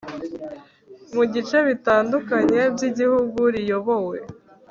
mu bice bitandukanye by igihugu riyobowe